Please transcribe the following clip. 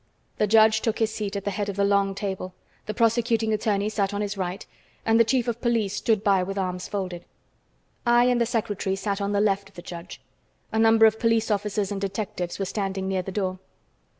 The judge took his seat at the head of the long table; the prosecuting attorney sat on his right, and the chief of police stood by with his arms folded. I and the secretary sat on the left of the judge. A number of police officers and detectives were standing near the door.